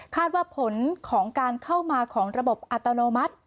ว่าผลของการเข้ามาของระบบอัตโนมัติ